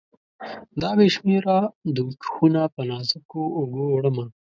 دا بې شمیره دوږخونه په نازکو اوږو، وړمه